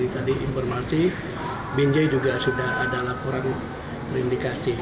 tadi informasi binjai juga sudah ada laporan terindikasi